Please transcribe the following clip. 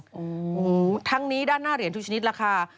โอ้โหทั้งนี้ด้านหน้าเหรียญทุกชนิดราคา